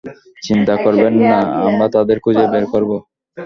চিন্তা করবেননা, আমরা তাদের খুঁজে বের করব।